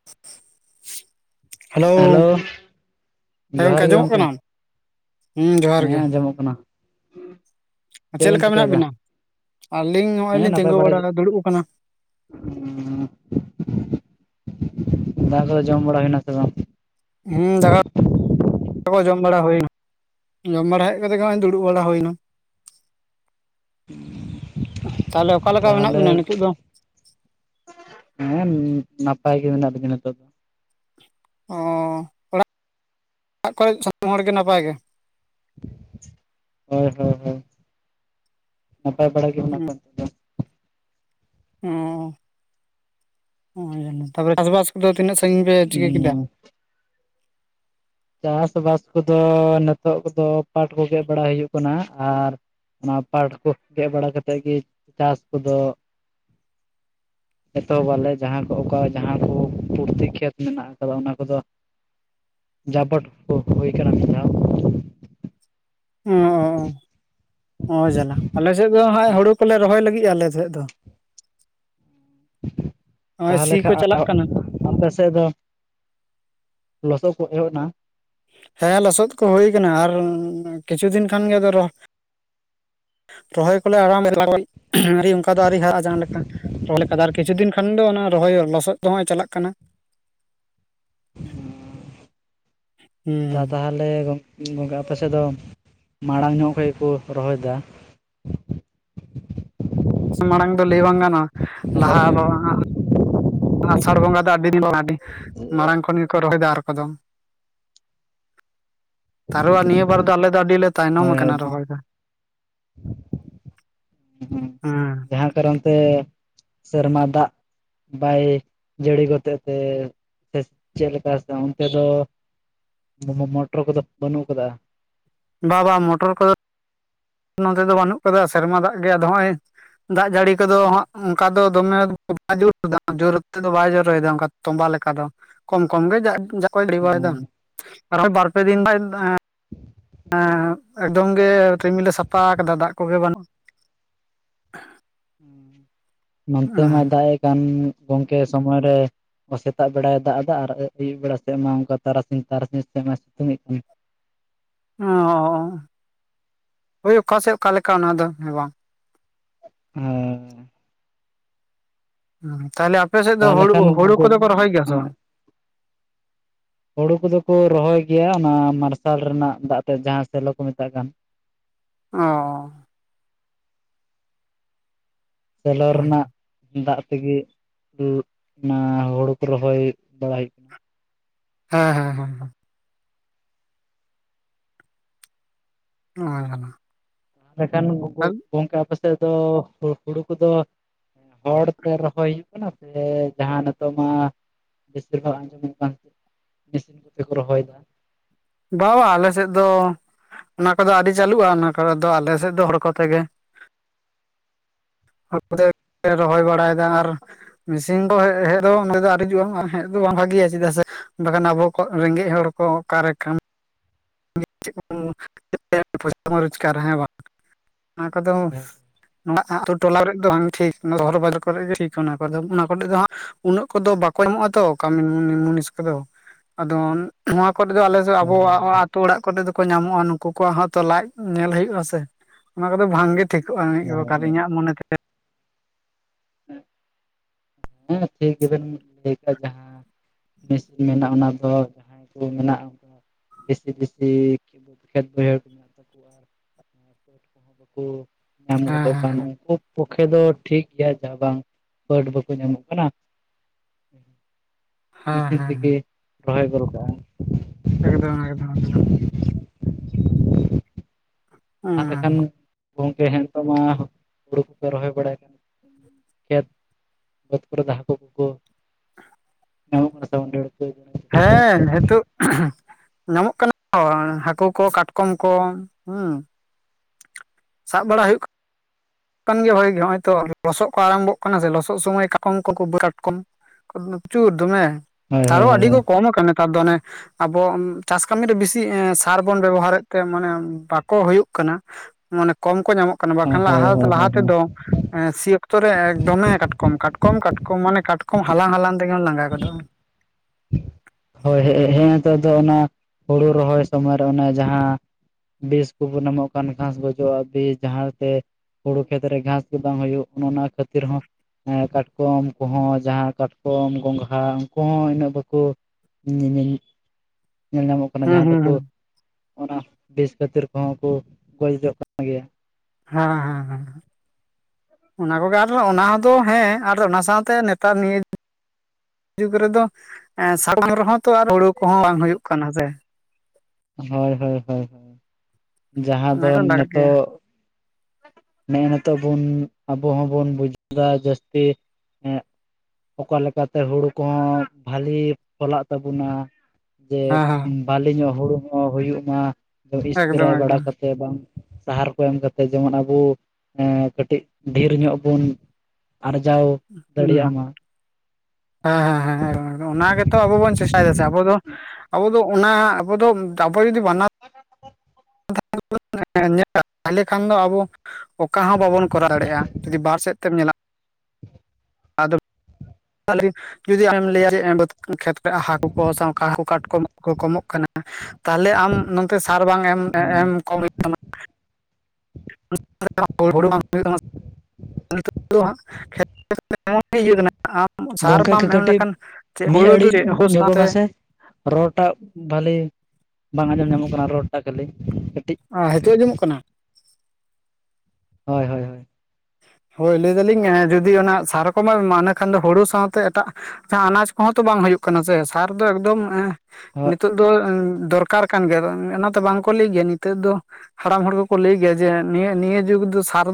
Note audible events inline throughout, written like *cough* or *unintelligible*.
*inaudible* Hello ᱦᱮᱸ ᱡᱚᱦᱟᱨ ᱜᱚᱢᱠᱮ ᱜᱮ ᱟᱸᱡᱚᱢᱚᱜ ᱜᱚᱝᱠᱮ ᱠᱟᱱᱟᱢ? ᱦᱮᱸ ᱟᱸᱡᱚᱢᱚᱜ ᱠᱟᱱᱟ᱾ ᱪᱮᱫ ᱵᱮᱱ ᱞᱮᱠᱟ ᱢᱮᱱᱟᱜ ᱪᱤᱠᱟᱹᱭᱮᱫᱟ? ᱵᱤᱱᱟ? ᱟᱹᱞᱤᱧ ᱱᱚᱜᱼᱚᱭ ᱦᱮᱸ ᱞᱤᱧ ᱱᱟᱯᱟᱭ ᱛᱤᱸᱜᱩ ᱜᱮ ᱵᱟᱲᱟ ᱫᱩᱲᱩᱵ ᱟᱠᱟᱱᱟ᱾ *inaudible* *inaudible* ᱫᱟᱜ ᱠᱚᱫᱚ ᱡᱚᱢ ᱵᱟᱲᱟ ᱦᱩᱭᱱᱟ ᱥᱮ ᱵᱟᱝ? ᱦᱩᱸ ᱫᱟᱠ ᱚ ᱠᱚ ᱡᱚᱢ ᱵᱟᱲᱟ ᱦᱩᱭᱱᱟ ᱡᱚᱢ ᱵᱟᱲᱟ ᱦᱮᱡ ᱠᱟᱛᱮ ᱦᱚᱸᱜᱚᱭ ᱫᱩᱲᱩᱵ ᱵᱟᱲᱟ ᱦᱩᱭ ᱮᱱᱟ᱾ *inaudible* *inaudible* ᱛᱟᱦᱞᱮ ᱚᱠᱟ ᱞᱮᱠᱟ ᱢᱮᱱᱟᱜ ᱛᱟᱦᱚᱞᱮ ᱵᱤᱱᱟ ᱱᱤᱛᱳᱜ ᱫᱚ? ᱦᱮᱸ ᱱᱟᱯᱟᱭ ᱜᱮ ᱢᱮᱱᱟᱜ ᱞᱤᱧᱟᱹ ᱱᱤᱛᱚᱜ ᱫᱚ᱾ ᱚᱧ ᱚᱲᱟᱜ ᱚᱲᱟᱜ ᱠᱚᱨᱮ ᱥᱟᱱᱟᱢ ᱦᱚᱲ ᱜᱮ ᱱᱟᱯᱟᱭ ᱜᱮ? ᱦᱳᱭ ᱦᱳᱭ ᱦᱳᱭ ᱱᱟᱯᱟᱭ ᱵᱟᱲᱟ ᱜᱮ ᱢᱮᱱᱟᱜ ᱦᱩᱸ ᱠᱚᱣᱟ ᱱᱤᱛ ᱫᱚ᱾ ᱚ *inaudible* ᱛᱟᱯᱚᱨ ᱪᱟᱥᱵᱟᱥ ᱠᱚᱫᱚ ᱛᱤᱱᱟᱹᱜ ᱥᱟᱺᱜᱤᱧ ᱯᱮ ᱪᱤᱠᱟᱹ ᱠᱮᱫᱟ? ᱫᱚ ᱪᱟᱥᱵᱟᱥ ᱠᱚᱫᱚ ᱱᱤᱛᱚᱜ ᱠᱚᱫᱚ ᱯᱟᱴ ᱠᱚ ᱜᱮᱫ ᱵᱟᱲᱟ ᱦᱩᱭᱩᱜ ᱠᱟᱱᱟ, ᱟᱨ ᱚᱱᱟ ᱯᱟᱴ ᱠᱚ ᱜᱮᱫ ᱵᱟᱲᱟ ᱠᱟᱛᱮᱫ ᱜᱮ ᱪᱟᱥ ᱠᱚᱫᱚ ᱮᱛᱚᱦᱚᱵᱞᱮ ᱡᱟᱦᱟᱸ ᱠᱚ ᱚᱠᱟ ᱡᱟᱦᱟᱸ ᱠᱚ ᱯᱩᱨᱛᱤ ᱠᱷᱮᱛ ᱢᱮᱱᱟᱜ ᱟᱠᱟᱫᱟ ᱚᱱᱟ ᱠᱚᱫᱚ ᱡᱟᱵᱚᱴ ᱠᱚ ᱦᱩᱭ ᱟᱠᱟᱱᱟ ᱢᱤᱫ ᱫᱷᱟᱣ᱾ ᱚ ᱦᱚᱸ ᱡᱟᱞᱟ ᱟᱞᱮᱥᱮᱫ ᱫᱚ ᱦᱜ ᱦᱩᱲᱩ ᱠᱚᱞᱮ ᱨᱚᱦᱚᱭ ᱞᱟᱹᱜᱤᱫ ᱟᱞ ᱥᱮᱫ ᱫᱚ᱾ ᱱᱚᱜᱼᱚᱭ ᱛᱟᱦᱚᱞᱮ ᱥᱤ ᱠᱚ ᱠᱷᱟᱡ ᱟ ᱪᱟᱞᱟᱜ ᱠᱟᱱᱟ ᱟᱯᱮ ᱥᱮᱫ ᱫᱚ ᱞᱚᱥᱚᱫ ᱠᱚ ᱮᱦᱚᱵ ᱮᱱᱟ? ᱦᱮᱸ ᱞᱚᱥᱚᱫ ᱠᱚ ᱦᱩᱭᱩ ᱟᱠᱟᱱᱟ ᱟᱨ ᱠᱤᱪᱷᱩ ᱫᱤᱱ ᱠᱷᱟᱱ ᱜᱮ ᱟᱫᱚ ᱨᱚᱦ ᱨᱚᱦᱚᱭ ᱠᱚᱞᱮ *unintelligible* ᱟᱨ ᱚᱱᱠᱟ ᱫᱚ ᱟᱨᱤᱭ ᱦᱟᱨᱟᱜᱼᱟ ᱡᱟᱦᱟᱸ ᱞᱮᱠᱟ ᱨᱚᱦᱚᱭ ᱞᱮᱠᱟ ᱟᱨ ᱠᱤᱪᱷᱩ ᱫᱤᱱ ᱠᱷᱟᱱ ᱫᱚ ᱚᱱᱟ ᱨᱚᱦᱚᱭ ᱞᱚᱥᱚᱫ ᱫᱚ ᱦᱚᱸᱜᱚᱭ ᱪᱟᱞᱟᱜ ᱠᱟᱱᱟ᱾ ᱦᱩᱸ ᱛᱟᱦᱚᱞᱮ ᱜᱚᱝᱠᱮ ᱟᱯᱮ ᱥᱮᱫ ᱫᱚ ᱢᱟᱲᱟᱝ ᱧᱚᱜ ᱠᱷᱚᱡ ᱜᱮᱠᱚ ᱨᱚᱦᱚᱭᱫᱟ᱾ ᱢᱟᱲᱟᱝ ᱫᱚ ᱞᱟᱹᱭ ᱵᱟᱝ ᱠᱟᱱᱟ ᱦᱮᱞᱳ ᱞᱟᱦᱟ ᱟᱫᱚ ᱦᱟᱸᱜ ᱟᱥᱟᱲ ᱵᱚᱸᱜᱟ ᱫᱚ ᱟᱹᱰᱤ ᱫᱤᱱ ᱵᱟᱝ ᱟᱹᱰᱤ ᱢᱟᱨᱟᱝ ᱠᱷᱚᱱ ᱜᱮᱠᱚ ᱨᱚᱦᱚᱭ ᱫᱟ ᱟᱨ ᱠᱚᱫᱚ, ᱟᱨᱦᱚ ᱱᱤᱭᱟᱹ ᱵᱟᱨ ᱫᱚ ᱟᱹᱰᱤᱞᱮ ᱛᱟᱭᱱᱚᱢ ᱦᱳᱭ ᱦᱳᱭ ᱟᱠᱟᱱᱟ ᱨᱚᱦᱚᱭᱫᱚ, ᱦᱮᱸ ᱦᱢᱸ ᱡᱟᱦᱟᱸ ᱠᱟᱨᱚᱱ ᱥᱮ ᱥᱮᱨᱢᱟ ᱫᱟᱜ ᱵᱟᱭ ᱡᱟᱹᱲᱤ ᱜᱚᱛ ᱛᱮ ᱥᱮ ᱪᱮᱫᱮ ᱞᱮᱠᱟ ᱥᱮ ᱚᱱᱛᱮ ᱫᱚ ᱢ ᱢᱚᱴᱚᱨ ᱠᱚᱫᱚ ᱵᱟᱹᱱᱩᱜ ᱠᱟᱫᱟ? ᱵᱟᱵᱟ ᱢᱚᱴᱚᱨ ᱠᱚ ᱱᱚᱛᱮ ᱫᱚ ᱵᱟᱹᱱᱩᱜ ᱠᱟᱫᱟ ᱥᱮᱨᱢᱟ ᱫᱟᱜ ᱜᱮ ᱟᱫᱚ ᱱᱚᱜᱼᱚᱭ ᱫᱟᱜ ᱡᱟᱹᱲᱤ ᱠᱚᱫᱚ ᱦᱚᱸᱜ ᱚᱱᱠᱟ ᱫᱚ ᱫᱚᱢᱮ ᱵᱟᱭ ᱡᱳᱨᱟ ᱡᱳᱨᱛᱮᱫ ᱫᱚ ᱵᱟᱭ ᱡᱳᱨᱚᱭᱮᱫᱟ ᱚᱱᱠᱟ᱾ ᱛᱚᱸᱵᱟ ᱞᱮᱠᱟ ᱫᱚ ᱠᱚᱢ ᱠᱚᱢ ᱜᱮ ᱫᱟᱜ ᱠᱚᱭ ᱡᱟᱹᱲᱤ ᱫᱟᱲᱮ ᱵᱟᱟᱭ ᱟᱨ ᱵᱟᱨ ᱯᱮ ᱫᱤᱱ ᱟᱸ ᱮᱸ ᱮᱠᱫᱚᱢ ᱜᱮ ᱨᱤᱢᱤᱞ ᱞᱮ ᱥᱟᱯᱷᱟ ᱟᱠᱟᱫᱟ ᱫᱟᱜ ᱠᱚᱜᱮ ᱵᱟᱹᱱᱩᱜᱼᱟ᱾ ᱱᱚᱱᱛᱮ ᱢᱟᱭ ᱫᱟᱜ ᱮ ᱠᱟᱱ ᱜᱚᱝᱠᱮ ᱥᱚᱢᱚᱭ ᱨᱮ᱾ ᱥᱮᱛᱟᱜ ᱵᱮᱲᱟᱭ ᱫᱟᱜ ᱟᱫᱟ ᱟᱨ ᱟᱹᱭᱩᱵ ᱵᱮᱲᱟ ᱥᱮᱫ ᱢᱟ ᱚᱱᱠᱟ ᱛᱟᱨᱟᱥᱤᱧ ᱛᱟᱨᱟᱥᱤᱧ ᱥᱮᱫ ᱢᱟ ᱥᱤᱛᱩᱝ ᱮᱜ ᱠᱟᱱ᱾ ᱚ ᱦᱳᱭ ᱚᱠᱟ ᱥᱮᱜ ᱚᱠᱟᱞᱮᱠᱟ ᱚᱱᱟ ᱫᱚ ᱦᱮᱸ ᱵᱟᱝ? *inaudible* ᱦᱩᱸ ᱛᱟᱦᱚᱞᱮ ᱟᱯᱮ ᱥᱮᱫ ᱫᱚ ᱛᱟᱦᱚᱞᱮ ᱦᱩᱲᱩ, ᱠᱷᱟᱱ ᱦᱩᱲᱩ ᱠᱚᱫᱚ ᱠᱚ ᱨᱚᱦᱚᱭ ᱜᱮᱭᱟ ᱥᱮ ᱵᱟᱝ? ᱦᱩᱲᱩ ᱠᱚᱫᱚ ᱠᱚ ᱨᱚᱦᱚᱭ ᱜᱮᱭᱟ ᱚᱱᱟ ᱢᱟᱨᱥᱟᱞ ᱨᱮᱱᱟᱜ ᱫᱟᱜ ᱛᱮ ᱡᱟᱦᱟᱸ ᱥᱮᱞᱚ ᱠᱚ ᱢᱮᱛᱟᱜ ᱠᱟᱱ᱾ ᱚᱻᱚ ᱥᱮᱞᱚ ᱦᱮᱸ ᱨᱮᱱᱟᱜ ᱫᱟᱜ ᱛᱮᱜᱮ ᱚᱱᱟ ᱦᱩᱲᱩ ᱠᱚ ᱨᱚᱦᱚᱭ ᱵᱟᱲᱟᱭ ᱦᱮᱸ ᱦᱮᱸ ᱦᱮᱸ ᱦᱮᱸ ᱱᱚᱣᱟ ᱜᱮ ᱠᱟᱱᱟ᱾ ᱢᱮᱱᱠᱷᱟᱱ ᱜᱚᱝᱠᱮ ᱟᱯᱮ ᱥᱮᱫ ᱫᱚ, ᱦᱩᱲᱩ ᱠᱚᱫᱚ ᱦᱚᱲ ᱛᱮ ᱨᱚᱦᱚᱭ ᱦᱩᱭᱩᱜ ᱠᱟᱱᱟ ᱥᱮ ᱡᱟᱦᱟᱸ ᱱᱤᱛᱚᱜ ᱢᱟ ᱵᱮᱥᱤᱨ ᱵᱷᱟᱜᱽ ᱟᱸᱡᱚᱢᱮᱫ ᱠᱟᱱ ᱢᱮᱥᱤᱱ ᱠᱚᱛᱮ ᱠᱚ ᱨᱚᱦᱚᱭ ᱫᱟ᱾ ᱵᱟ-ᱵᱟ ᱟᱞᱮ ᱥᱮᱫ ᱫᱚ ᱚᱱᱟ ᱠᱚᱫᱚ ᱟᱹᱰᱤ ᱪᱟᱹᱞᱩᱜᱼᱟ ᱚᱱᱟ ᱠᱚ ᱫᱚ ᱟᱞᱮ ᱥᱮᱫ ᱫᱚ ᱦᱚᱲ ᱠᱚ ᱛᱮᱜᱮ ᱟᱯᱮ ᱫᱚ *inaudible* ᱯᱮ ᱨᱚᱦᱚᱭ ᱵᱟᱲᱟᱭ ᱫᱟ ᱟᱨ ᱢᱮᱥᱤᱱ ᱠᱚ ᱦᱮᱡ ᱦᱮᱡ ᱫᱚ ᱚᱸᱰᱮ ᱫᱚ ᱟᱨ ᱦᱤᱡᱩᱜᱼᱟᱢ ᱦᱮᱡ ᱫᱚ ᱵᱟᱝ ᱵᱷᱟᱜᱮᱭᱟ, ᱪᱮᱫᱟᱜ ᱥᱮ ᱵᱟᱠᱷᱟᱱ ᱟᱵᱚ ᱠᱚ ᱨᱮᱸᱜᱮᱡ ᱦᱚᱲ ᱠᱚ ᱚᱠᱟᱨᱮ ᱠᱷᱟᱱ *inaudible* ᱯᱚᱭᱥᱟ ᱨᱳᱡᱽᱜᱟᱨᱟ ᱦᱮᱸ ᱵᱟᱝ ᱚᱱᱟ ᱠᱚᱫᱚ ᱱᱚᱣᱟ ᱟᱛᱳ ᱴᱚᱞᱟ ᱠᱚᱨᱮ ᱫᱚ ᱵᱟᱝ ᱴᱷᱤᱠ ᱥᱚᱦᱚᱨ ᱵᱟᱡᱟᱨ ᱠᱚᱨᱮ ᱜᱮ ᱴᱷᱤᱠ ᱚᱱᱟ ᱠᱚ ᱚᱱᱟ ᱠᱚᱨᱮ ᱫᱚ ᱦᱟᱸᱜ ᱩᱱᱟᱹᱜ ᱠᱚᱫᱚ ᱵᱟᱠᱚ ᱮᱢᱚᱜᱼᱟ ᱛᱚ ᱠᱟᱹᱢᱤᱤ ᱢᱩᱱᱤᱥ ᱠᱚᱫᱚ ᱟᱫᱚ ᱱᱚᱣᱟ ᱠᱚᱨᱮ ᱫᱚ ᱟᱞᱮᱥ ᱟᱵᱚᱣᱟᱜ ᱛᱳ ᱚᱲᱟᱜ ᱠᱚᱨᱮ ᱫᱚᱠᱚ ᱧᱟᱢᱚᱜᱼᱟ, ᱱᱩᱠᱩ ᱠᱚᱣᱟᱜ ᱦᱚᱸ ᱛᱚ ᱞᱟᱡ ᱧᱮᱞ ᱦᱩᱭᱩᱜᱼᱟ ᱥᱮ, ᱚᱱᱟ ᱠᱚᱫᱚ ᱵᱟᱝ ᱜᱮ ᱴᱷᱤ ᱠᱟᱹᱼᱟ ᱢᱤ-ᱦᱚ ᱚᱠᱟᱨᱮ ᱤᱧᱟᱹᱜ ᱢᱚᱱᱮ ᱛᱮ ᱦᱮᱸ ᱴᱷᱤᱠ ᱜᱮᱵᱮᱱ ᱞᱟᱹᱭ ᱠᱟᱜᱼᱟ ᱡᱟᱦᱟᱸ ᱵᱤᱥᱮ ᱮᱢᱟᱜᱼᱟ ᱚᱱᱟ ᱫᱚ ᱡᱟᱦᱟᱸᱭ *unintelligible* ᱦᱮᱸ *unintelligible* ᱯᱚᱠᱷᱮ ᱫᱚ ᱴᱷᱤᱠ ᱜᱮᱭᱟ ᱡᱚᱦᱟ ᱵᱟᱝ ᱯᱟᱹᱰ ᱵᱟᱠᱚ ᱧᱟᱢᱚᱜ ᱠᱟᱱᱟ ᱾ ᱦᱮᱸ ᱦᱮᱸ ᱢᱮᱥᱤᱱ ᱛᱮᱜᱮ ᱦᱮᱸ ᱨᱚᱦᱚᱭ ᱫᱚ ᱟᱞᱜᱟᱼᱟ ᱾ ᱮᱠᱫᱚᱢ ᱮᱠᱫᱚᱢ ᱮᱠᱫᱚᱢ ᱾ ᱛᱟᱦᱚᱞᱮ ᱦᱩᱸ ᱠᱷᱟᱱ ᱜᱚᱝᱠᱮ ᱦᱮᱜ ᱱᱤᱛᱚᱜ ᱢᱟ ᱦᱩᱲᱩ ᱠᱚᱯᱮ ᱨᱚᱦᱚᱭ ᱵᱟᱲᱟᱭ ᱠᱟᱱ ᱠᱷᱮᱛ ᱵᱟᱹᱫᱽ ᱠᱚᱨᱮ ᱫᱚ ᱦᱟᱹᱠᱚ ᱠᱚᱠᱚ ᱧᱟᱢᱚᱜ ᱠᱟᱱᱟ ᱥᱮ ᱵᱟᱝ ᱵᱟᱹᱲᱠᱟᱹ ᱦᱮᱸ ᱦᱤᱛᱳᱜ ᱧᱟᱢᱚᱜ ᱠᱟᱱᱟ ᱠᱚ ᱦᱟᱹᱠᱳ ᱠᱚ ᱠᱟᱴᱠᱚᱢ ᱠᱚ ᱦᱩᱸ ᱥᱟᱵ ᱵᱟᱲᱟ ᱦᱩᱭᱩᱜ ᱠᱟᱱ ᱜᱮᱭᱟ ᱦᱚᱭ ᱜᱮ ᱱᱚᱜᱚᱭ ᱛᱚ ᱞᱚᱥᱚᱫ ᱠᱚ ᱟᱨᱟᱢᱵᱷᱚᱜ ᱠᱟᱱᱟ ᱥᱮ ᱞᱚᱥᱚᱫ ᱥᱚᱢᱚᱭ ᱠᱟᱠᱚᱢ ᱠᱚᱠᱚ ᱵᱟᱹᱫ ᱠᱟᱴ ᱠᱚᱢ ᱯᱚᱪᱩᱨ ᱫᱚᱢᱮ ᱦᱳᱭ ᱛᱟᱨᱚ ᱦᱳᱭ ᱟᱹᱰᱤ ᱠᱚ ᱦᱳᱭ ᱠᱚᱢ ᱟᱠᱟᱱᱟ ᱱᱮᱛᱟᱨ ᱫᱚ ᱚᱱᱮ ᱟᱵᱚ ᱩᱸ ᱪᱟᱥ ᱠᱟᱹᱢᱤ ᱨᱮ ᱵᱮᱥᱤ ᱥᱟᱨ ᱵᱚᱱ ᱵᱮᱵᱚᱦᱟᱨᱮᱫ ᱛᱮ ᱢᱟᱱᱮ ᱵᱟᱠᱚ ᱦᱳᱭᱳᱜ ᱠᱟᱱᱟ ᱾ ᱢᱟᱱᱮ ᱠᱚᱢ ᱠᱚ ᱧᱟᱢᱚᱜ ᱠᱟᱱᱟ ᱵᱟᱠᱷᱟᱱ ᱦᱳᱭ ᱦᱳᱭ ᱦᱳᱭ ᱞᱟᱦᱟ-ᱞᱟᱦᱟᱛᱮ ᱦᱳᱭ ᱫᱚ ᱮᱸ ᱥᱤ ᱚᱠᱛᱚ ᱨᱮ ᱫᱚᱢᱮ ᱠᱟᱴᱠᱚᱢ, ᱠᱟᱴᱠᱚᱢ-ᱠᱟᱴᱠᱚᱢ ᱢᱟᱱᱮ ᱠᱟᱴᱠᱚᱢ ᱦᱟᱞᱟᱝ-ᱦᱟᱞᱟᱝ ᱛᱮᱜᱮᱢ ᱞᱟᱸᱜᱟ ᱜᱚᱫᱚᱜᱼᱟ ᱾ ᱦᱳᱭ ᱦᱮ ᱦᱮ ᱱᱤᱛᱚᱜ ᱫᱚ ᱚᱱᱟ ᱦᱩᱲᱩ ᱨᱚᱦᱚᱭ ᱥᱚᱢᱚᱭ ᱨᱮ ᱚᱱᱮ ᱡᱟᱦᱟᱸ ᱵᱤᱥ ᱠᱚ ᱵᱚᱱ ᱮᱢᱟᱜ ᱠᱟᱱ ᱜᱷᱟᱥ ᱜᱚᱡᱚᱜᱼᱟ ᱵᱤᱥ ᱡᱟᱦᱟᱸ ᱛᱮ ᱦᱩᱲᱩ ᱠᱷᱮᱛ ᱨᱮ ᱜᱷᱟᱥ ᱜᱮ ᱵᱟᱝ ᱦᱩᱭᱩᱜ ᱚᱱᱮ ᱚᱱᱟ ᱠᱷᱟᱹᱛᱤᱨ ᱦᱚᱸ ᱮᱸ ᱠᱟᱴᱠᱚᱢ ᱠᱚᱦᱚᱸ ᱡᱟᱦᱟᱸ ᱠᱟᱴᱠᱚᱢ ᱜᱚᱝᱜᱷᱦᱟ ᱩᱱᱠᱩ ᱦᱚᱸ ᱩᱱᱟᱹᱜ ᱵᱟᱠᱩ *inaudible* ᱧᱮᱞ ᱧᱟᱢᱚᱜ ᱠᱟᱱᱟ ᱦᱩᱸ ᱡᱟᱦᱟᱸ ᱦᱩᱸ ᱫᱚᱠᱩ ᱦᱩᱸ ᱚᱱᱟ ᱵᱤᱥ ᱠᱷᱟᱹᱛᱤᱨ ᱠᱚᱦᱚᱸ ᱠᱩ ᱜᱚᱡᱚᱜ ᱠᱟᱱ ᱜᱮᱭᱟ ᱿ ᱦᱟᱸ-ᱦᱟᱸ-ᱦᱟᱸ ᱾ ᱚᱱᱟ ᱠᱚᱜᱮ ᱟᱨᱦᱚ ᱚᱱᱟ ᱫᱚ ᱦᱮᱸ ᱟᱨ ᱚᱱᱟ ᱥᱟᱶᱛᱮ ᱱᱮᱛᱟᱨ ᱱᱤᱭᱟᱹ ᱡᱩᱜᱽ ᱨᱮᱫᱚ ᱮ *inaudible* ᱨᱮᱦᱚᱸ ᱛᱚ ᱟᱨ ᱦᱩᱲᱩ ᱠᱚᱦᱚᱸ ᱵᱟᱝ ᱦᱩᱭᱩᱜ ᱠᱟᱱᱟ ᱥᱮ? ᱦᱳᱭ-ᱦᱳᱭ-ᱦᱳᱭ-ᱦᱤᱭ ᱾ ᱡᱟᱦᱟᱸ ᱚᱱᱟ ᱫᱚ ᱠᱚ ᱞᱟᱜᱟᱜ ᱜᱮᱭᱟ ᱱᱮᱛᱚᱜ ᱱᱮ ᱱᱤᱛᱚᱜ ᱵᱩᱱ ᱟᱵᱚ ᱦᱚᱸᱵᱚᱱ ᱵᱩᱡ ᱫᱟ ᱡᱟᱹᱥᱛᱤ ᱮᱸ ᱚᱠᱟ ᱞᱮᱠᱟ ᱛᱮ ᱦᱩᱲᱩ ᱠᱚᱦᱚᱸ ᱵᱷᱟᱞᱤ ᱯᱷᱚᱞᱟᱜ ᱛᱟᱵᱚᱱᱟ? ᱡᱮ ᱦᱮᱸ ᱵᱷᱟᱞᱤ ᱧᱚᱜ ᱦᱳᱲᱳ ᱦᱚᱸ ᱦᱩᱭᱩᱜ ᱢᱟ ᱦᱮᱸ ᱤᱥᱯᱨᱮ ᱮᱠᱫᱚᱢ ᱵᱟᱲᱟ ᱮᱠᱫᱚᱢ ᱠᱟ ᱥᱮ ᱵᱟᱝ ᱥᱟᱦᱟᱨ ᱠᱚ ᱮᱢ ᱠᱟ ᱛᱮ ᱡᱮᱢᱚᱱ ᱟᱵᱚ ᱮᱸ ᱠᱟᱹᱴᱤᱡ ᱰᱷᱮᱨ ᱧᱚᱜ ᱵᱚᱱ ᱟᱨᱡᱟᱣ ᱫᱟᱲᱮᱭᱟᱜ ᱢᱟ *unintelligible* ᱮᱸ-ᱦᱮᱸ-ᱦᱮᱸ-ᱦᱮᱸ ᱚᱱᱟ ᱜᱮᱛᱚ ᱟᱵᱚ ᱵᱚᱱ ᱪᱮᱥᱴᱟᱭ ᱫᱟᱥᱮ ᱟᱵᱚ ᱫᱚ ᱟᱵᱚ ᱫᱚ ᱚᱱᱟ ᱟᱵᱚ ᱫᱚ ᱟᱵᱚ ᱡᱩᱫᱤ ᱵᱟᱱᱟ *unintelligible* *unintelligible* ᱠᱷᱟᱱ ᱫᱚ ᱟᱵᱚ ᱚᱠᱟ ᱦᱚᱸ ᱵᱟᱵᱚᱱ ᱠᱚᱨᱟᱣ ᱫᱟᱲᱮᱭᱟᱜᱼᱟ ᱡᱩᱫᱤ ᱵᱟᱨ ᱥᱮᱫ ᱛᱮᱢ ᱧᱮᱞᱟ ᱾ *unintelligible* ᱡᱩᱫᱤ ᱟᱢᱮᱢ ᱞᱟᱹᱭᱟ ᱡᱮ ᱵᱟᱹᱫᱽ ᱠᱷᱮᱛ ᱨᱮ ᱦᱟᱹᱠᱩ ᱠᱚ ᱥᱚᱝᱠᱟ ᱠᱟᱴ ᱠᱚᱢ ᱠᱚ ᱠᱚᱢᱚᱜ ᱠᱟᱱᱟ ᱾ ᱛᱟᱦᱚᱞᱮ ᱟᱢ ᱱᱚᱛᱮ ᱥᱟᱨ ᱵᱟᱝ ᱮᱢ ᱮᱢ ᱠᱚᱢ *unintelligible* *unintelligible* ᱤᱭᱟᱹ ᱠᱟᱱᱟ *unintelligible* ᱥᱟᱨ ᱜᱚᱝᱠᱮ ᱵᱟᱢ ᱮᱢ ᱠᱟᱹᱴᱤᱡ ᱞᱮᱠᱷᱟᱱ ᱪᱮᱜ ᱢᱤᱫ ᱦᱩᱲᱩ ᱫᱚ ᱟᱹᱲᱤᱡ ᱪᱮᱜ ᱦᱳᱥ ᱧᱚᱜᱚᱜ ᱛᱮ ᱢᱮᱥᱮ ᱨᱚᱲᱴᱟᱜ ᱵᱷᱟᱹᱞᱤ ᱵᱟᱝ ᱟᱸᱡᱚᱢ ᱧᱟᱢᱚᱜ ᱠᱟᱱᱟ ᱨᱚᱲᱴᱟᱜ ᱠᱷᱟᱹᱞᱤ ᱠᱟᱹᱴᱤᱡ ᱾ ᱚᱸ ᱦᱤᱛᱚᱜ ᱟᱸᱡᱚᱢᱚᱜ ᱠᱟᱱᱟ? ᱦᱳᱭ-ᱦᱳᱭ-ᱦᱳᱭ ᱾ ᱦᱳᱭ ᱞᱟᱹᱭ ᱫᱟᱞᱤᱧ ᱮᱸ ᱡᱩᱫᱤ ᱚᱱᱟ ᱥᱟᱨ ᱠᱚᱢᱟ ᱮᱢᱟ ᱤᱱᱥᱹᱠᱷᱟᱱ ᱫᱚ ᱦᱳᱲᱳ ᱥᱟᱶᱛᱮ ᱮᱴᱟᱜ ᱪᱟ ᱟᱱᱟᱡ ᱠᱚᱦᱚᱸ ᱛᱚ ᱵᱟᱝ ᱦᱩᱭᱩᱜ ᱠᱟᱱᱟ ᱥᱮ ᱥᱟᱨ ᱫᱚ ᱮᱠᱫᱚᱢ ᱮᱸ ᱱᱤᱛᱚᱜ ᱫᱟᱹ ᱟᱸ ᱫᱚᱨᱠᱟᱨ ᱠᱟᱱ ᱜᱮᱭᱟ ᱚᱱᱟᱛᱮ ᱵᱟᱝ ᱠᱚ ᱞᱟᱹᱭ ᱜᱮᱭᱟ ᱱᱤᱛᱚᱜ ᱫᱚ ᱦᱟᱲᱟᱢ ᱦᱚᱲ ᱠᱚᱠᱚ ᱞᱟᱹᱭ ᱜᱮᱭᱟ ᱡᱮ ᱱᱤᱭᱟᱹ ᱱᱤᱭᱟᱹ ᱡᱩᱜᱽ ᱫᱚ ᱥᱟᱨ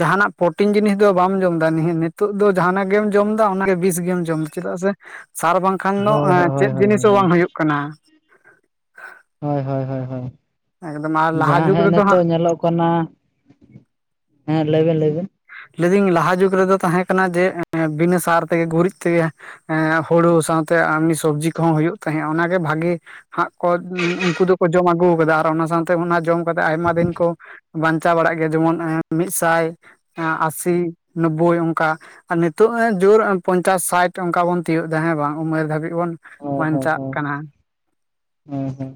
ᱡᱟᱸᱦᱟᱱᱟᱜ ᱯᱨᱳᱴᱤᱱ ᱡᱤᱱᱤᱥ ᱫᱚ ᱵᱟᱢ ᱡᱚᱢ ᱫᱟ ᱱᱤᱛᱚᱜ ᱫᱚ ᱡᱟᱦᱟᱱᱟᱜ ᱜᱮᱢ ᱡᱚᱢ ᱫᱟ ᱚᱱᱟᱜᱮ ᱵᱤᱥ ᱜᱮᱢ ᱡᱚᱢ ᱪᱮᱫᱟᱜ ᱥᱮ ᱥᱟᱨ ᱵᱟᱝ ᱠᱷᱟᱱ ᱫᱚ ᱦᱳᱭ ᱦᱳᱭ ᱦᱳᱭ ᱦᱳᱭ ᱪᱮᱫ ᱡᱤᱱᱤᱥ ᱦᱚᱸ ᱵᱟᱝ ᱦᱩᱭᱩᱜ ᱠᱟᱱᱟ᱾ ᱦᱳᱭ ᱦᱳᱭ ᱮᱠᱫᱚᱢ ᱟᱨ ᱦᱳᱭ ᱞᱟᱦᱟ ᱡᱟᱦᱟᱸ ᱡᱩᱜᱽ ᱦᱮᱸᱜ ᱨᱮᱫᱚ ᱦᱟᱸᱜ ᱱᱤᱛᱚᱜ ᱧᱮᱞᱚᱜ ᱠᱟᱱᱟ ᱦᱮᱸ ᱞᱟᱹᱭ ᱵᱤᱱ ᱞᱟᱹᱭ ᱵᱤᱱ ᱞᱟᱹᱭ ᱫᱟᱹᱧ ᱞᱟᱦᱟ ᱡᱩᱜᱽ ᱨᱮᱫᱚ ᱛᱟᱦᱮᱸ ᱠᱟᱱᱟ ᱡᱮ ᱵᱤᱱᱟᱹ ᱥᱟᱨ ᱛᱮᱜᱮ ᱜᱩᱨᱤᱡ ᱛᱮᱜᱮ ᱮᱸ ᱦᱩᱲᱩ ᱥᱟᱶᱛᱮ ᱮᱢᱱᱤ ᱥᱚᱵᱽᱡᱤ ᱠᱚᱦᱚᱸ ᱦᱩᱭᱩᱜ ᱛᱟᱦᱮᱸ ᱚᱱᱟᱜᱮ ᱵᱷᱟᱜᱤ ᱦᱟᱸᱜ ᱠᱚ ᱩᱱᱠᱩ ᱫᱚᱠᱚ ᱡᱚᱢ ᱟᱹᱜᱩ ᱠᱟᱫᱟ ᱟᱨ ᱚᱱᱟ ᱥᱟᱶᱛᱮ ᱚᱱᱟ ᱡᱚᱢ ᱠᱚᱫᱚ ᱟᱭᱢᱟ ᱫᱤᱱ ᱠᱚ ᱵᱟᱧᱪᱟᱣ ᱵᱟᱲᱟᱜ ᱜᱮᱭᱟ ᱡᱮᱢᱚᱱ *unintelligible* ᱛᱟᱭ ᱟᱸ-ᱟᱥᱤ ᱱᱚᱵᱽᱵᱳᱭ ᱚᱱᱠᱟ ᱾ ᱟ ᱱᱤᱛᱚᱜ ᱮ ᱡᱳᱨ ᱯᱚᱧᱪᱟᱥ ᱥᱟᱭᱴ ᱚᱱᱠᱟ ᱵᱚᱱ ᱛᱤᱭᱳᱜ ᱫᱟ ᱦᱮᱸ ᱵᱟᱝ ᱩᱢᱮᱨ ᱫᱷᱟᱹᱵᱤ ᱵᱚᱱ ᱵᱟᱧᱪᱟᱜ ᱦᱮᱸ-ᱦᱮᱸ-ᱦᱮᱸ ᱠᱟᱱᱟ ᱦᱮᱸ ᱾ ᱦᱮᱸ ᱦᱮᱸ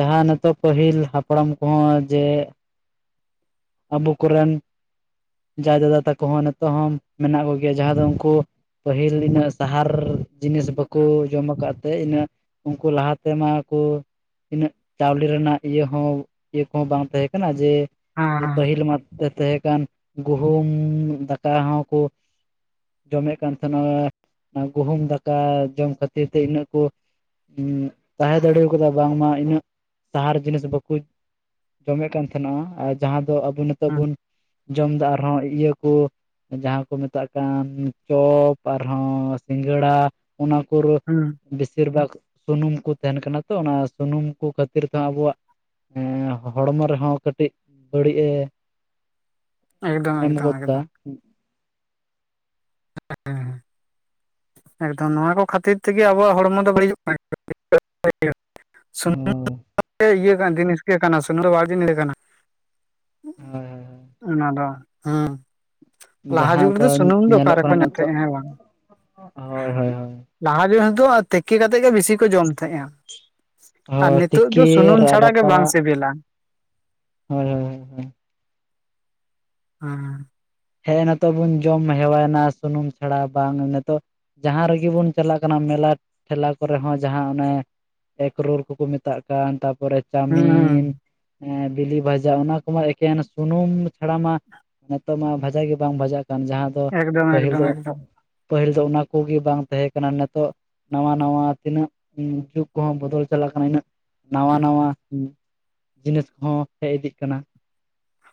ᱡᱟᱦᱟᱸ ᱱᱤᱛᱚᱜ ᱯᱟᱹᱦᱤᱞ ᱦᱟᱯᱲᱟᱢ ᱠᱚᱦᱚᱸ ᱡᱮ ᱟᱵᱚ ᱠᱚᱨᱮᱱ ᱡᱟᱭ ᱫᱟᱫᱟ ᱛᱟᱠᱚ ᱦᱚᱸ ᱱᱤᱛᱚᱜ ᱦᱚᱸ ᱢᱮᱱᱟᱜ ᱠᱚᱜᱮᱭᱟ ᱡᱟᱦᱟᱸ ᱫᱚ ᱩᱱᱠᱩ ᱯᱟᱹᱦᱤᱞ ᱤᱱᱟᱹᱜ ᱥᱟᱦᱟᱨ ᱡᱤᱱᱤᱥ ᱵᱟᱠᱚ ᱡᱚᱢ ᱟᱠᱟᱫ ᱛᱮ ᱤᱱᱟᱹᱜ ᱩᱱᱠᱩ ᱞᱟᱦᱟ ᱛᱮᱢᱟ ᱠᱚ ᱤᱱᱟᱹᱜ ᱪᱟᱣᱞᱮ ᱨᱮᱱᱟᱜ ᱤᱭᱟᱹ ᱦᱚᱸ ᱤᱭᱟᱹ ᱠᱚᱦᱚᱸ ᱵᱟᱝ ᱛᱟᱦᱮᱸ ᱠᱟᱱᱟ ᱡᱮ ᱦᱮᱸ ᱯᱟᱹᱦᱤᱞ ᱢᱟ ᱛᱮ ᱛᱟᱦᱮᱸ ᱠᱟᱱᱟᱱ ᱜᱩᱦᱩᱢ ᱫᱟᱠᱟ ᱦᱚᱸᱠᱚ ᱡᱚᱢᱮᱫ ᱠᱟᱱ ᱛᱟᱸᱦᱮᱱᱟ ᱚᱱᱟ ᱜᱩᱦᱩᱢ ᱫᱟᱠᱟ ᱡᱚᱢ ᱠᱷᱟᱹᱛᱤᱨ ᱛᱮ ᱤᱱᱟᱹᱜ ᱠᱚ ᱛᱟᱦᱮᱸ ᱫᱟᱲᱮ ᱠᱟᱣᱫᱟ ᱵᱟᱝᱢᱟ ᱤᱱᱟᱹᱜ ᱥᱟᱦᱟᱨ ᱡᱤᱱᱤᱥ ᱵᱟᱠᱩ ᱡᱚᱢᱮ ᱠᱟᱱ ᱛᱟᱸᱦᱮᱱᱟ ᱟᱨ ᱡᱟᱦᱟᱸ ᱫᱚ ᱟᱵᱚ ᱱᱤᱛᱚᱜ ᱦᱩᱸ ᱵᱚᱱ ᱡᱚᱢᱫᱟ ᱟᱨᱦᱚᱸ ᱤᱭᱟᱹ ᱠᱚ ᱡᱟᱦᱟᱸ ᱠᱚ ᱢᱮᱛᱟᱜ ᱠᱟᱱ ᱪᱚᱯ ᱟᱨᱦᱚᱸ ᱥᱤᱸᱜᱷᱟᱹᱲᱟ ᱚᱱᱟ ᱠᱚᱨᱮ ᱦᱩᱸ ᱵᱮᱥᱤᱨ ᱵᱷᱟᱜᱽ ᱥᱩᱱᱩᱢ ᱠᱚ ᱛᱟᱸᱦᱮᱱ ᱠᱟᱱᱟ ᱛᱚ ᱚᱱᱟ ᱥᱩᱱᱩᱢ ᱠᱚ ᱠᱷᱟᱹᱛᱤᱨ ᱛᱮᱦᱚᱸ ᱟᱵᱚᱣᱟᱜ ᱮᱸ ᱦᱚᱲᱢᱚ ᱨᱮᱦᱚᱸ ᱠᱟᱹᱴᱤᱡ ᱵᱟᱹᱲᱤᱡ ᱮ ᱮᱠᱫᱚᱢ ᱮᱢ ᱮᱠᱫᱚᱢ ᱜᱚᱫ ᱫᱟ ᱮᱠᱫᱚᱢ *inaudible* ᱦᱮᱸᱸ ᱮᱠᱫᱚᱢ ᱱᱚᱶᱟ ᱠᱚ ᱠᱷᱟᱹᱛᱤᱨ ᱛᱮᱜᱮ ᱟᱵᱚᱣᱟᱜ ᱦᱚᱲᱢᱚ ᱫᱚ ᱵᱟᱹᱲᱤᱡᱚᱜ *unintelligible* ᱥᱩᱱᱩᱢ ᱦᱳᱭ ᱤᱭᱟᱹ ᱠᱟᱱᱟ ᱫᱤᱱᱤᱥ ᱜᱮ ᱠᱟᱱᱟ ᱥ ᱵᱤᱱ ᱠᱟᱱᱟ ᱦᱳᱭ ᱦᱳᱭ ᱦᱳᱭ ᱚᱱᱟ ᱫᱚ ᱦᱮᱸ ᱞᱟᱦᱟ ᱡᱟᱦᱟᱸ ᱡᱩᱜᱽ ᱫᱚ ᱨᱮᱫᱚ ᱥᱩᱱᱩᱢ ᱫᱚ ᱚᱠᱟ ᱧᱮᱞᱚᱜ ᱨᱮᱠᱚ ᱠᱟᱱᱟ ᱱᱤᱛᱚᱜ ᱧᱮᱛᱮᱼᱟ ᱦᱮᱸ ᱵᱟᱝ ᱦᱳᱭ ᱦᱳᱭ ᱦᱳᱭ ᱞᱟᱦᱟ ᱡᱤᱱᱤᱥ ᱫᱚ ᱛᱤᱠᱤ ᱠᱟ ᱠᱟᱛᱮᱫ ᱜᱮ ᱵᱤᱥᱤ ᱠᱚ ᱡᱚᱢ ᱛᱟᱦᱮᱸᱜᱼᱟ ᱟᱨ ᱦᱳᱭ ᱱᱤᱛᱳᱜ ᱫᱚ ᱛᱤᱠᱤ ᱥᱩᱱᱩᱢ ᱪᱷᱟᱲᱟ ᱜᱮ ᱵᱟᱝ ᱨᱟᱯᱟᱜ ᱥᱤᱵᱤᱞᱟ ᱦᱳᱭ ᱦᱳᱭ ᱦᱳᱭ ᱦᱮᱸ ᱦᱮᱸ ᱱᱤᱛᱚᱜ ᱵᱚᱱ ᱡᱚᱢ ᱦᱮᱣᱟᱭᱱᱟ ᱥᱩᱱᱩᱢ ᱪᱷᱟᱲᱟ ᱵᱟᱝ ᱱᱤᱛᱚᱜ ᱡᱟᱦᱟᱸ ᱨᱮᱜᱮ ᱵᱚᱱ ᱪᱟᱞᱟᱜ ᱠᱟᱱᱟ ᱢᱮᱞᱟ ᱴᱷᱮᱞᱟ ᱠᱚᱨᱮ ᱦᱚᱸ ᱡᱟᱦᱟᱸ ᱚᱱᱮ ᱮᱜᱽ ᱨᱳᱞ ᱠᱚᱠᱚ ᱢᱮᱛᱟᱜ ᱠᱟᱱ ᱛᱟᱨᱯᱚᱨᱮ ᱦᱩᱸ ᱦᱩᱸ ᱪᱟᱣᱢᱤᱱ ᱵᱤᱞᱤ ᱵᱷᱟᱡᱟ ᱚᱱᱟ ᱠᱚᱢᱟ ᱮᱠᱮᱱ ᱥᱩᱱᱩᱢ ᱪᱷᱟᱲᱟ ᱢᱟ ᱱᱤᱛᱚᱜ ᱢᱟ ᱵᱡᱟᱜ ᱜᱮ ᱵᱟᱝ ᱵᱡᱟᱜ ᱠᱟᱱ ᱡᱟᱦᱟᱸ ᱫᱚ ᱮᱠᱫᱚᱢ ᱯᱟᱹᱦᱤᱞ ᱮᱠᱫᱚᱢ ᱫᱚ ᱮᱠᱫᱚᱢ ᱯᱟᱹᱦᱤᱞ ᱫᱚ ᱚᱱᱟ ᱠᱚᱜᱮ ᱵᱟᱝ ᱛᱟᱦᱮᱸ ᱠᱟᱱᱟ ᱱᱤᱛᱚᱜ ᱱᱟᱶᱟ ᱱᱟᱶᱟ ᱛᱤᱱᱟᱹᱜ ᱡᱩᱜ ᱠᱚᱦᱚᱸ ᱵᱚᱫᱚᱞ ᱪᱟᱞᱟᱜ ᱠᱟᱱᱟ ᱤᱱᱟᱹᱜ ᱱᱟᱶᱟ ᱱᱟᱶᱟ ᱡᱤᱱᱤᱥ ᱠᱚᱦᱚᱸ ᱦᱮᱡ ᱤᱫᱤᱜ ᱠᱟᱱᱟ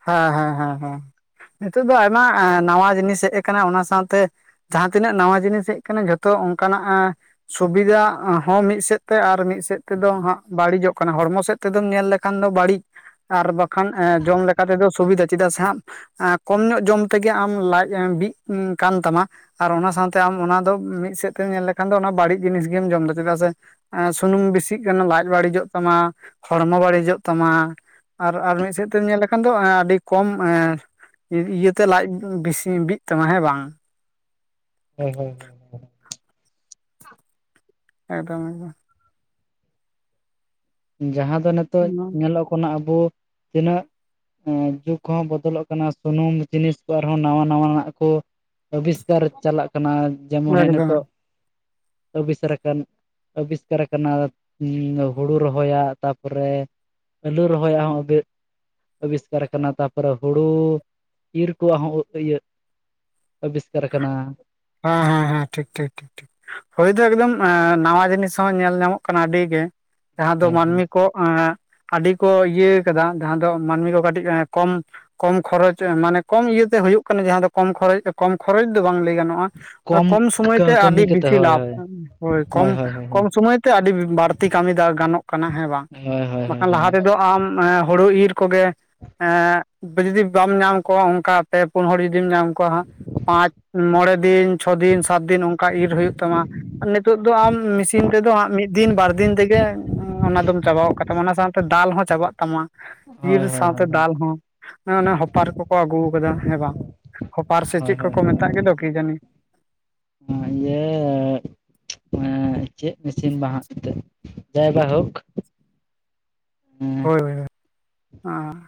ᱦᱮᱸ ᱦᱮᱸ ᱦᱮᱸ ᱦᱮᱸ ᱱᱤᱛᱳ ᱫᱚ ᱟᱭᱢᱟ ᱱᱟᱣᱟ ᱡᱤᱱᱤᱥ ᱦᱮᱡ ᱟᱠᱟᱱᱟ ᱚᱱᱟ ᱥᱟᱶᱛᱮ ᱡᱟᱦᱟᱸ ᱛᱤᱱᱟᱹᱜ ᱱᱟᱣᱟ ᱡᱤᱱᱤᱥ ᱦᱮᱡ ᱟᱠᱟᱱᱟ ᱡᱷᱚᱛᱚ ᱚᱱᱠᱟᱱᱟᱜ ᱥᱩᱵᱤᱫᱷᱟ ᱦᱚᱸ ᱢᱤᱫ ᱥᱮᱫ ᱛᱮ ᱟᱨ ᱢᱤᱫ ᱥᱮᱫ ᱛᱮᱫᱚ ᱦᱜ ᱵᱟᱹᱲᱤᱡᱚᱜ ᱠᱟᱱᱟ ᱦᱚᱲᱢᱚ ᱥᱮᱫ ᱛᱮᱫᱢ ᱧᱮᱞ ᱞᱮᱠᱷᱟᱱ ᱫᱚ ᱵᱟᱹᱲᱤᱡ ᱟᱨ ᱵᱟᱠᱷᱟᱱᱸ ᱡᱚᱢᱠᱷᱟᱱ ᱛᱮᱫᱚ ᱥᱩᱵᱤᱫᱷᱟ ᱪᱮᱫᱟᱜ ᱥᱮ ᱟᱢ ᱠᱚᱢ ᱧᱚᱜ ᱡᱚᱢ ᱛᱮᱜᱮ ᱟᱢ ᱞᱟᱡ ᱵᱤᱜ ᱠᱟᱱ ᱛᱟᱢᱟ ᱟᱨ ᱚᱱᱟ ᱥᱟᱶᱛᱮ ᱟᱢ ᱚᱱᱟ ᱫᱚ ᱢᱤᱫ ᱥᱮᱫ ᱛᱮᱢ ᱧᱮᱞ ᱞᱮᱠᱷᱟᱱ ᱫᱚ ᱚᱱᱟ ᱵᱟᱹᱲᱤᱡ ᱡᱤᱱᱤᱥ ᱜᱮᱢ ᱡᱚᱢᱫᱟ ᱪᱮᱫᱟᱜ ᱥᱮ ᱥᱩᱱᱩᱢ ᱵᱮᱥᱤᱜ ᱠᱟᱱᱟ ᱞᱟᱡ ᱵᱟᱹᱲᱤᱡᱚᱜ ᱛᱟᱢᱟ ᱦᱚᱲᱢᱚ ᱵᱟᱹᱲᱤᱡᱚᱜ ᱛᱟᱢᱟ ᱟᱨ ᱟᱨ ᱢᱤᱫ ᱥᱮᱫ ᱛᱮᱢ ᱧᱮᱞ ᱞᱮᱠᱷᱟᱱ ᱠᱷᱟᱱ ᱫᱚ ᱟᱹᱰᱤ ᱠᱚᱢ ᱛᱮ ᱤᱭᱟᱹᱛᱮ ᱞᱟᱡ ᱵᱤᱥᱤ ᱵᱤᱜ ᱛᱟᱢᱟ ᱦᱮᱸ ᱵᱟᱝ ᱦᱮᱸ ᱦᱩᱸ ᱮᱠᱫᱚᱢ ᱡᱟᱦᱟᱸ ᱫᱚ ᱱᱤᱛᱚᱜ ᱮᱠᱫᱚᱢ ᱧᱮᱞᱚᱜ ᱠᱟᱱᱟ ᱟᱵᱚ ᱛᱤᱱᱟᱹᱜ ᱡᱩᱜ ᱠᱚᱦᱚᱸ ᱵᱚᱫᱚᱞᱚᱜ ᱠᱟᱱᱟ ᱥᱩᱱᱩᱢ ᱡᱤᱱᱤᱥ ᱠᱚ ᱟᱨᱦᱚᱸ ᱱᱟᱣᱟ ᱱᱟᱣᱟᱱᱟᱜ ᱠᱚ ᱟᱵᱤᱥᱠᱟᱨ ᱪᱟᱞᱟᱜ ᱠᱟᱱᱟ ᱡᱮᱢᱚᱱ ᱦᱮᱸ ᱮᱠᱫᱚᱢ ᱱᱤᱛᱚᱜ ᱟᱵᱤᱥᱟᱨᱟᱠ ᱟᱵᱤᱥᱠᱟᱨ ᱟᱠᱟᱱᱟ ᱦᱩᱲᱩ ᱨᱚᱦᱚᱭᱟ ᱛᱟᱯᱚᱨᱮ ᱟᱹᱞᱩ ᱨᱚᱦᱚᱭᱟ ᱦᱚᱸ ᱩᱜᱟᱹᱜ ᱟᱵᱤᱥᱠᱟᱨ ᱠᱟᱱᱟ ᱛᱟᱯᱚᱨᱮ ᱦᱩᱲᱩ ᱤᱨ ᱠᱚᱣᱟᱜ ᱦᱚᱸ ᱤᱭᱟᱹᱜ ᱟᱵᱤᱥᱠᱟᱨ ᱟᱠᱟᱱᱟ ᱦᱮᱸ ᱦᱮᱸ ᱮᱸ ᱴᱷᱤᱠ ᱴᱷᱤᱠ ᱴᱷᱤᱠ ᱴᱷᱤᱠ ᱦᱳᱭᱫᱚ ᱮᱠᱫᱚᱢ ᱱᱟᱣᱟ ᱡᱤᱱᱤᱥ ᱦᱚᱸ ᱧᱮᱞ ᱧᱟᱢᱚᱜ ᱠᱟᱱᱟ ᱟᱹᱰᱤ ᱜᱮ ᱡᱟᱦᱟᱸ ᱫᱚ ᱢᱟᱹᱱᱢᱤ ᱠᱚ ᱮᱸ ᱟᱹᱰᱤ ᱠᱚ ᱤᱭᱟᱹ ᱠᱟᱫᱟ ᱡᱟᱦᱟᱸ ᱫᱚ ᱢᱟᱹᱱᱢᱤ ᱠᱚ ᱠᱟᱹᱴᱤᱡ ᱮᱸ ᱠᱚᱢ ᱠᱚᱢ ᱠᱷᱚᱨᱚᱪ ᱢᱟᱱᱮ ᱠᱚᱢ ᱤᱭᱟᱹᱛᱮ ᱦᱩᱭᱩᱜ ᱠᱟᱱᱟ ᱡᱟᱦᱟᱸ ᱫᱚ ᱠᱚᱢ ᱠᱷᱚᱨᱚᱪ ᱠᱚᱢ ᱠᱷᱚᱨᱚᱪ ᱫᱚ ᱵᱟᱝ ᱞᱟᱹᱭ ᱜᱟᱱᱚᱜᱼᱟ ᱠᱚᱢ ᱥᱚᱢᱚᱭ ᱛᱮ ᱠᱟᱹᱢᱤ ᱟᱹᱰᱤ ᱠᱟᱛᱮ ᱵᱮᱥᱤ ᱦᱳᱭ ᱞᱟᱵᱷ ᱦᱳᱭ ᱦᱳᱚᱭ ᱦᱳᱭ ᱠᱚᱢ ᱦᱳᱭ ᱦᱳᱭ ᱦᱳᱭ ᱠᱚᱢ ᱥᱚᱢᱚᱭ ᱛᱮ ᱟᱹᱰᱤ ᱵᱟᱹᱲ ᱛᱤ ᱠᱟᱹᱢᱤ ᱜᱟᱱᱚᱜ ᱠᱟᱱᱟ ᱦᱮᱸ ᱵᱟᱝ ᱦᱳᱭ ᱦᱳᱭ ᱵᱟᱠᱷᱟᱱ ᱦᱳᱭ ᱞᱟᱦᱟ ᱦᱳᱭ ᱛᱮ ᱫᱚ ᱟᱢ ᱦᱩᱲᱩ ᱤᱨ ᱠᱚᱜᱮ ᱮᱸ ᱡᱩᱫᱤ ᱵᱟᱢ ᱧᱟᱢ ᱠᱚᱣᱟ ᱚᱱᱠᱟ ᱯᱮ ᱯᱩᱱ ᱦᱚᱲ ᱡᱩᱫᱤᱢ ᱧᱟᱢ ᱠᱚᱣᱟ ᱦᱟᱸᱜ ᱯᱟᱸᱪ ᱢᱚᱬᱮ ᱫᱤᱱ ᱪᱷᱚ ᱫᱤᱱ ᱥᱟᱛ ᱫᱤᱱ ᱚᱱᱠᱟ ᱤᱨ ᱦᱩᱭᱩᱜ ᱛᱟᱢᱟ ᱱᱤᱛᱚᱜ ᱫᱚ ᱟᱢ ᱢᱤᱥᱤᱱ ᱛᱮᱫᱚ ᱢᱤᱫ ᱫᱤᱱ ᱵᱟᱨᱫᱤᱱ ᱛᱮᱜᱮ ᱚᱱᱟ ᱫᱚᱢ ᱪᱟᱵᱟ ᱠᱟ ᱛᱟᱢᱟ ᱚᱱᱟ ᱥᱟᱶᱛᱮ ᱫᱟᱞ ᱦᱚᱸ ᱪᱟᱵᱟᱜ ᱛᱟᱢᱟ ᱤᱨ ᱦᱳᱭ ᱥᱟᱶᱛᱮ ᱦᱳᱭ ᱦᱳᱭ ᱦᱳᱭ ᱫᱟᱞ ᱦᱚᱸ ᱚᱱᱮ ᱦᱚᱯᱟᱨ ᱠᱚᱠᱚ ᱟᱹᱜᱩᱠ ᱟᱫᱟ ᱦᱮᱸ ᱵᱟᱝ ᱠᱷᱚᱯᱟᱨ ᱥᱮ ᱦᱳᱭ ᱦᱳᱭ ᱪᱮᱫ ᱦᱳᱭ ᱦᱳᱭ ᱠᱚᱠᱚ ᱢᱮᱛᱟᱜ ᱜᱮᱫᱚ ᱠᱤ ᱡᱟᱹᱱᱤ ᱮᱸ ᱤᱭᱟᱹ ᱮᱸ ᱪᱮᱫ ᱢᱮᱥᱤᱱ ᱵᱟᱝ ᱦᱟᱸᱟᱜ ᱛᱮ ᱡᱟᱭᱵᱟᱭ ᱦᱚᱠ ᱦᱳᱴᱚᱭ ᱦᱚᱭ ᱦᱸ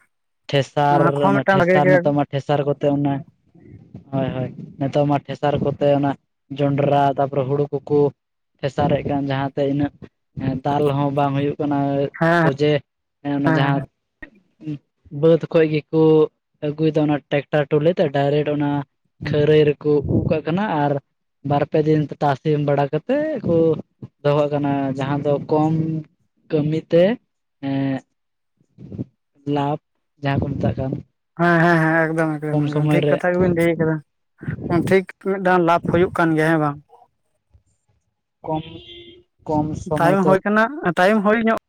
ᱴᱷᱮᱥᱟᱨ ᱚᱱᱟ ᱴᱷᱮᱥᱟᱨ ᱱᱤᱛᱚᱜ ᱢᱟ ᱴᱷᱮᱥᱟᱨ ᱠᱚᱛᱮ ᱚᱱᱟ ᱦᱚᱭ ᱦᱚᱭ ᱱᱤᱛᱚᱜ ᱢᱟ ᱴᱷᱮᱥᱟᱨ ᱠᱚᱛᱮ ᱚᱱᱟ ᱡᱚᱱᱰᱟᱨᱟ ᱛᱟᱯᱚᱨᱮ ᱦᱩᱲᱩ ᱠᱚᱠᱚ ᱯᱷᱮᱥᱟᱨᱮᱫ ᱠᱟᱱ ᱡᱟᱦᱟᱸᱛᱮ ᱤᱱᱟᱹᱜ ᱫᱟᱞ ᱦᱚᱸ ᱵᱟᱝ ᱦᱩᱭᱩᱜ ᱠᱟᱱᱟ ᱦᱮᱸ ᱚᱡᱮ ᱚᱱᱟ ᱦᱮᱸ ᱡᱟᱦᱟᱸ ᱦᱮᱸ ᱵᱟᱹᱫ ᱠᱷᱚᱡ ᱜᱮᱠᱚ ᱟᱹᱜᱩᱭᱮᱫᱟ ᱚᱱᱟ ᱴᱟᱨᱟᱠᱴᱟᱨ ᱴᱚᱞᱤ ᱛᱮ ᱰᱟᱭᱨᱮᱠᱴ ᱚᱱᱟ ᱠᱷᱟᱹᱨᱟᱹᱭ ᱠᱚ ᱩᱜ ᱠᱟᱜ ᱠᱟᱱᱟ ᱟᱨ ᱵᱟᱨᱯᱮ ᱫᱤᱱ ᱛᱟᱥ ᱵᱟᱲᱟ ᱠᱟᱛᱮᱫ ᱠᱚ ᱫᱚᱦᱚ ᱠᱟᱱᱟ ᱡᱟᱦᱟᱸ ᱫᱚ ᱠᱚᱢ ᱠᱟᱹᱢᱤᱛᱮ ᱞᱟᱵᱷ ᱡᱟᱦᱟᱸ ᱠᱚ ᱢᱮᱛᱟᱜ ᱠᱟᱱ ᱦᱮᱸ ᱦᱮᱸ ᱦᱮᱸ ᱮᱠᱫᱚᱢ ᱠᱚᱢ ᱮᱠᱫᱚᱢ ᱥᱚᱢᱚᱭ ᱴᱷᱤᱠ ᱨᱮ ᱠᱟᱛᱷᱟ ᱜᱮᱵᱤᱱ ᱞᱟᱹᱭ ᱟᱠᱟᱫᱟ ᱴᱷᱤᱠ ᱢᱤᱫᱴᱟᱝ ᱞᱟᱵᱷ ᱦᱩᱭᱩᱜ ᱠᱟᱱ ᱜᱮᱭᱟ ᱦᱮᱸ ᱵᱟᱝ ᱠᱚᱢ ᱠᱚᱢ ᱥᱚᱢᱚᱭ ᱛᱟᱭᱚ ᱛᱮ ᱦᱚᱭ ᱟᱠᱟᱱᱟ ᱴᱟᱭᱚᱢ ᱦᱚᱭ ᱧᱚᱜ